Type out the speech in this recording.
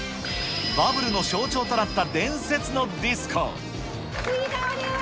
バブルの象徴となった伝説のディスコ。